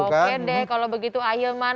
oke deh kalau begitu ahilman